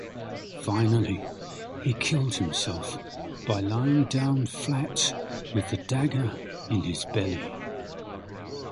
Finally he killed himself by lying down flat with the dagger in his belly.